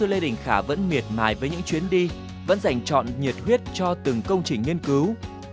lê đình khả vẫn miệt mài với những chuyến đi vẫn dành trọn nhiệt huyết cho từng công trình nghiên cứu